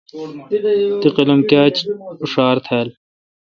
تی قلم کیا ڄھار تھال؟